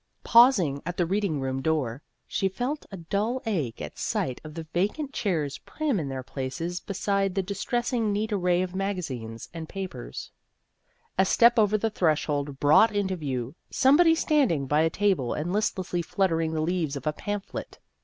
Pausing at the reading room door, she felt a dull ache at sight of the vacant chairs prim in their places beside the dis tressingly neat array of magazines and The Ghost of Her Senior Year 219 papers. A step over the threshold brought into view somebody standing by a table and listlessly fluttering the leaves of a pamphlet.